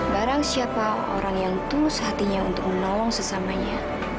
barang siapa orang yang tulus hatinya untuk menolong sesamanya